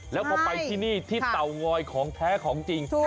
แล้วพอไปที่นี่ที่เตางอยของแท้ของจริง